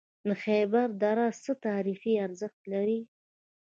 د خیبر دره څه تاریخي ارزښت لري؟